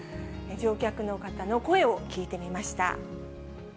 乗客の方の声を聞いてみました。